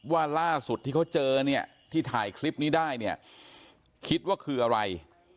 ว่าล่าสุดที่เขาเจอเนี่ยที่ถ่ายคลิปนี้ได้เนี่ยคิดว่าคืออะไร